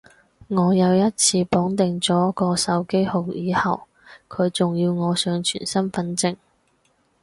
我有一次綁定咗個手機號以後，佢仲要我上傳身份證